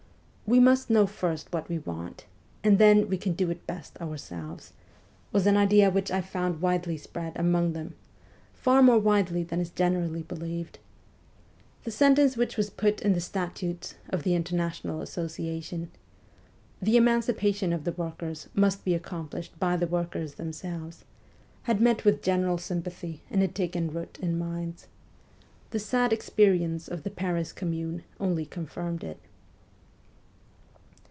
'We must know first what we want, and then we can do it best our selves,' was an idea which I found widely spread among them far more widely than is generally believed. The sentence which was put in the statutes of the International Association :' The emancipation of the workers must be accomplished by the workers themselves,' had met with general sympathy and had taken root in minds. The sad experience of the Paris Commune only confirmed it.